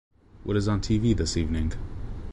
What is on TV this evening?